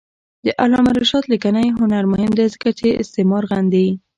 د علامه رشاد لیکنی هنر مهم دی ځکه چې استعمار غندي.